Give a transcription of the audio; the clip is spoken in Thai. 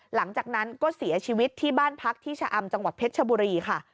หลังจากนั้นก็เสียชีวิตที่บ้านพักที่ชะอำจังหวัดเพชรชบุรีค่ะ